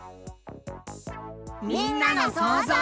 みんなのそうぞう。